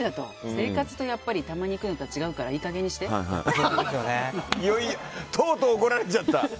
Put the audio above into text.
生活とたまに行くのでは違うからとうとう怒られちゃった。